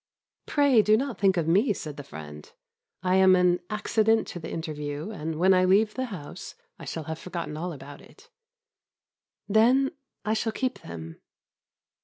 "Pray do not think of me," said the friend; "I am an accident in the interview, and, when I leave the house, I shall have forgotten all about it." "Then I shall keep them."